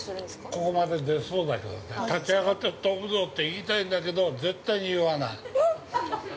◆ここまで出そうだけどね立ち上がって飛ぶぞって言いたいんだけど絶対に言わない。